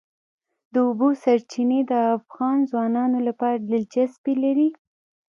د اوبو سرچینې د افغان ځوانانو لپاره دلچسپي لري.